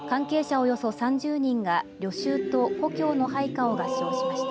およそ３０人が旅愁と故郷の廃家を合唱しました。